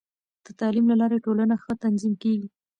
د تعلیم له لارې، ټولنه ښه تنظیم کېږي.